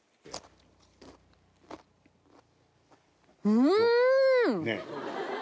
うん！